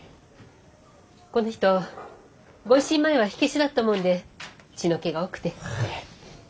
この人御一新前は火消しだったもんで血の気が多くて。